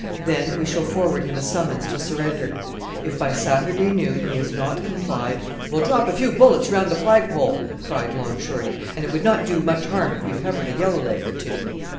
Then we shall forward him a summons to surrender! If by Saturday noon he has not complied...." "We'll drop a few bullets round the flag pole," cried Long Shorty; "and it would not do much harm if we peppered a yellow leg or two."